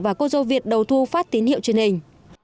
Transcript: và cô giáo việt đầu thu phát tín hiệu truyền hình